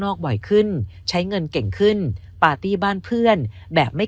บ่อยขึ้นใช้เงินเก่งขึ้นปาร์ตี้บ้านเพื่อนแบบไม่